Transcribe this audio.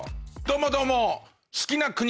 どうもどうも！